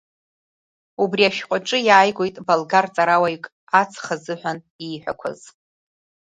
Убри ашәҟәаҿы иааигоит болгар ҵарауаҩык ацха азыҳәан ииҳәақәаз.